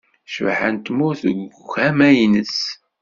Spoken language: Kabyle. Cbaḥa n tmurt deg ugama-ines